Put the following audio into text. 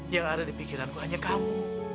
yang ada di pikiranku hanya kamu